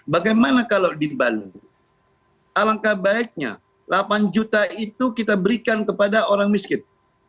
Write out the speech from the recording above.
bagaimana kalau di bali alangkah baiknya delapan juta itu kita berikan kepada orang miskin